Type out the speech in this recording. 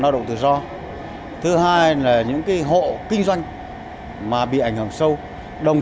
là các đối tượng lao động tự do thứ hai là những cái hộ kinh doanh mà bị ảnh hưởng sâu đồng